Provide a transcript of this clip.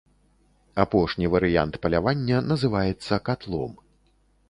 Апошні варыянт палявання называецца катлом.